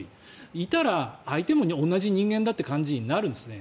いたら、相手も同じ人間だって感じになるんですね。